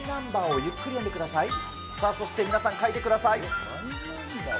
さあそして皆さん書いてください。